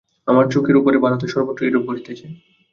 আমাদের চোখের উপর ভারতের সর্বত্র এইরূপ ঘটিতেছে।